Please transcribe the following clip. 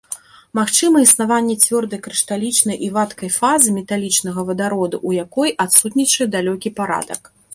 Магчыма існаванне цвёрдай крышталічнай і вадкай фазы металічнага вадароду, у якой адсутнічае далёкі парадак.